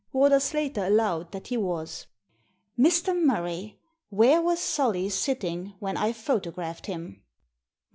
Warder Slater allowed that he was. "Mr. Murray, where was Solly sitting when I photographed him?"